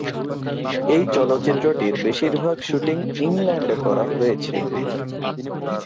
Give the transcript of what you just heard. এই চলচ্চিত্রটির বেশিরভাগ শুটিং ইংল্যান্ডে করা হয়েছে।